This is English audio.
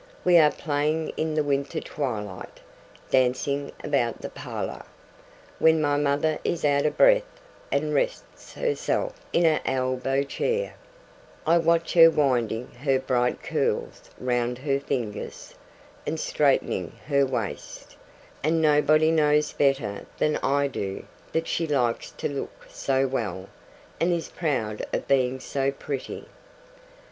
We are playing in the winter twilight, dancing about the parlour. When my mother is out of breath and rests herself in an elbow chair, I watch her winding her bright curls round her fingers, and straitening her waist, and nobody knows better than I do that she likes to look so well, and is proud of being so pretty.